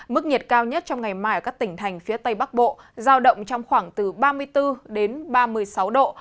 mức nhiệt cao nhất trong ngày mai ở các tỉnh thành phía tây bắc bộ giao động trong khoảng từ ba mươi bốn đến ba mươi sáu độ